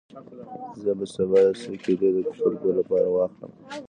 زه به سبا یو څو کیلې د خپل کور لپاره واخلم.